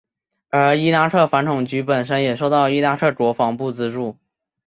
而伊拉克反恐局本身也受到伊拉克国防部资助。